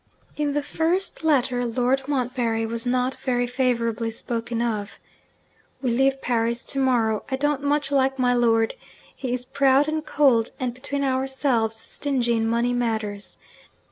In the first letter, Lord Montbarry was not very favourably spoken of: 'We leave Paris to morrow. I don't much like my lord. He is proud and cold, and, between ourselves, stingy in money matters.